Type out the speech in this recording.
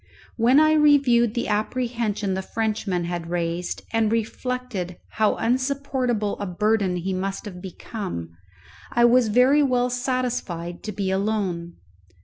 When I reviewed the apprehension the Frenchman had raised, and reflected how unsupportable a burden he must have become, I was very well satisfied to be alone.